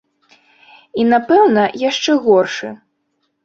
І, напэўна, яшчэ горшы.